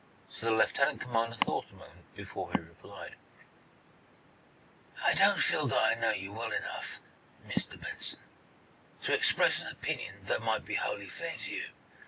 So the lieutenant commander thought a moment, before he replied: "I don't feel that I know you well enough, Mr. Benson, to express an opinion that might be wholly fair to you.